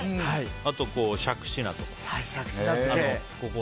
あと、しゃくしなとか。